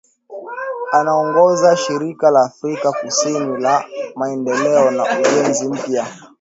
Anaongoza Shirika la Afrika Kusini la Maendeleo na Ujenzi Mpya